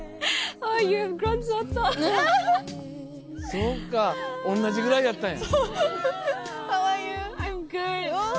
そうか同じぐらいやったんや。